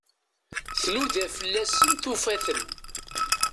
Tnuda fell-asen, tufa-ten.